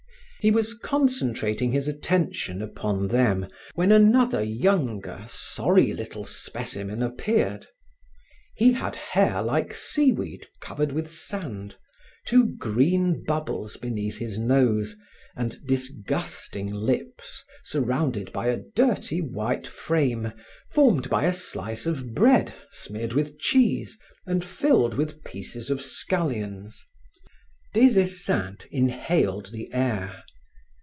He was concentrating his attention upon them when another younger, sorry little specimen appeared. He had hair like seaweed covered with sand, two green bubbles beneath his nose, and disgusting lips surrounded by a dirty white frame formed by a slice of bread smeared with cheese and filled with pieces of scallions. Des Esseintes inhaled the air.